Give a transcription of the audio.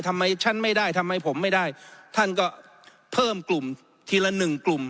ทำไมฉันไม่ได้ทำไมผมไม่ได้ท่านก็เพิ่มกลุ่มทีละหนึ่งกลุ่ม